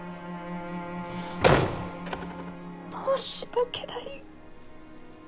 申し訳ない。